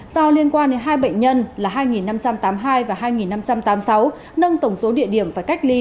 do liên quan đến hai bệnh nhân là hai năm trăm tám mươi hai và hai năm trăm tám mươi sáu nâng tổng số địa điểm phải cách ly